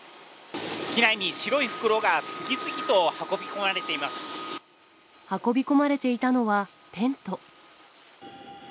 機内に白い袋が次々と運び込運び込まれていたのはテント。